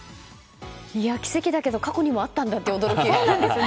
奇跡だけど過去にもあったんだって驚き。